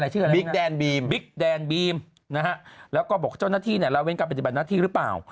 ชื่ออะไรบิ๊กแดนบีมบิ๊กแดนบีมนะฮะแล้วก็บอกเจ้าหน้าที่เนี่ยละเว้นการปฏิบัติหน้าที่หรือเปล่า